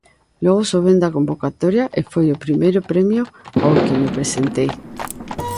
Logo souben da convocatoria e foi o primeiro premio ao que me presentei.